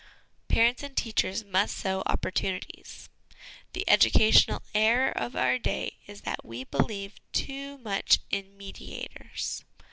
Parents and Teachers must sow Opportunities. The educational error of our day is that we believe too much in mediators.